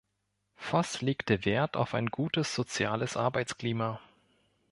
Voss legte Wert auf ein gutes soziales Arbeitsklima.